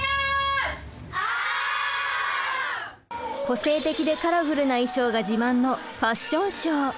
個性的でカラフルな衣装が自慢のファッションショー。